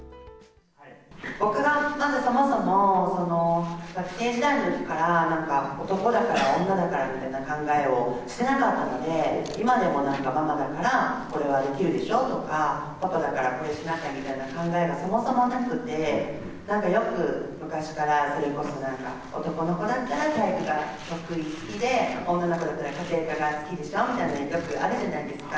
僕がまずそもそも、学生時代のうちから、男だから、女だからみたいな考えをしてなかったので、今でもママだからこれはできるでしょとか、パパだからこれしなきゃみたいな考えがそもそもなくて、なんかよく、昔から、それこそなんか、男の子だったら体育が得意、好きで、女の子だったら家庭科が好きでしょみたいなの、よくあるじゃないですか。